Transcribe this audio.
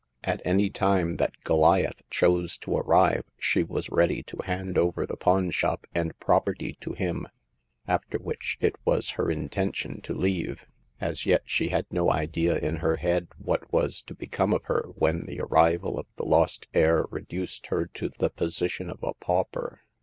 At any time that Goliath chose to arrive, she was ready to hand over the pawn shop and property to him, after which it was her intention to leave. As yet she had no idea in her head what was to become of her when the arrival of the lost heir reduced her to the position of a pauper.